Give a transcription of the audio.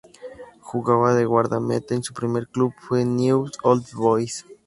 Jugaba de guardameta y su primer club fue Newell's Old Boys.